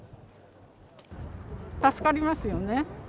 助かりますよね。